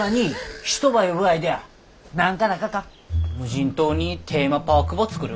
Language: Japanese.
無人島にテーマパークば作る。